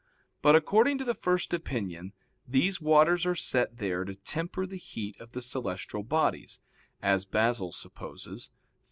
But according to the first opinion these waters are set there to temper the heat of the celestial bodies, as Basil supposes (Hom.